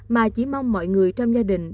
mà chỉ mong mọi người trong gia đình